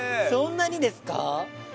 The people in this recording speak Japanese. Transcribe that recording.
そんなにですか！？